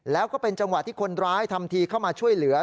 แล้วก็เป็นจังหวะที่คนร้ายทำทีเข้ามาช่วยเหลือ